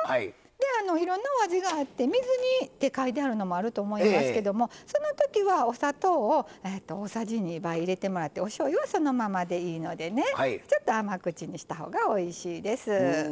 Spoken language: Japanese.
いろんなお味があって水煮って書いてあるのもあると思いますけどもそのときはお砂糖を大さじ２入れてもらっておしょうゆはそのままでいいのでねちょっと甘口にしたほうがおいしいです。